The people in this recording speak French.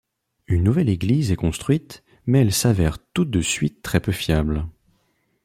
Une nouvelle église est construite, mais elle s'avère toute de suite très peu fiable.